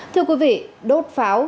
thưa quý vị đốt pháo